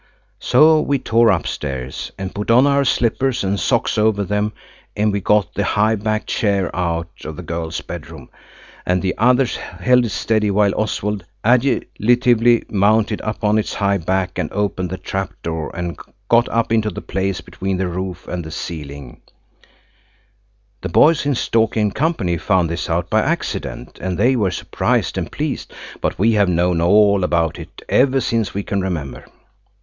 So we tore upstairs and put on our slippers and socks over them, and we got the high backed chair out of the girls' bedroom, and the others held it steady while Oswald agilitively mounted upon its high back and opened the trap door and got up into the place between the roof and the ceiling (the boys in "Stalky & Co." found this out by accident, and they were surprised and pleased, but we have known all about it ever since we can remember).